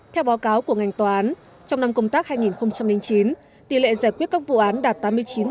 theo báo cáo của ngành tòa án trong năm công tác hai nghìn chín tỷ lệ giải quyết các vụ án đạt tám mươi chín